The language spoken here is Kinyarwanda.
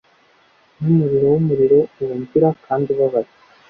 Numuriro wumuriro wumvira kandi ubabaye